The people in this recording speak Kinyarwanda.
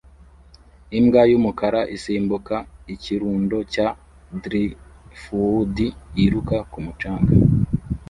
Imbwa y'umukara isimbuka ikirundo cya driftwood yiruka ku mucanga